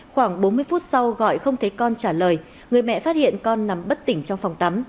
khoảng bốn mươi phút sau gọi không thấy con trả lời người mẹ phát hiện con nằm bất tỉnh trong phòng tắm